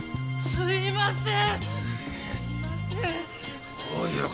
すいません。